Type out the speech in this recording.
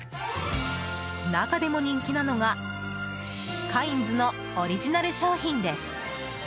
中でも人気なのがカインズのオリジナル商品です。